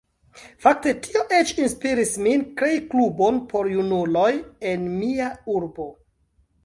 Fakte tio eĉ inspiris min krei klubon por junuloj en mia urbo.